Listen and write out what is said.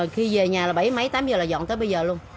khi về nhà là bảy máy tám giờ là dọn tới bây giờ luôn